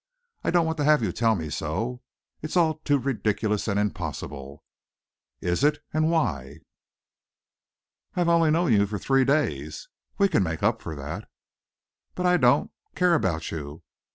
I don't want to have you tell me so. It's all too ridiculous and impossible." "Is it? And why?" "I have only known you for three days." "We can make up for that." "But I don't care about you.